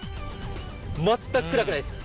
全く暗くないです。